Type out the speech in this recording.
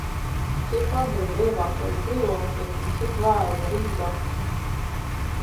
Cik agri var ievākties dzīvoklī un cik vēlu var izbraukt?